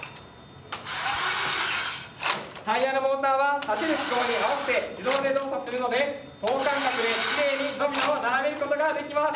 タイヤのモーターは立てる機構に合わせて自動で動作するので等間隔できれいにドミノを並べることができます。